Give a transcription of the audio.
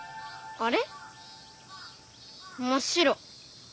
あれ？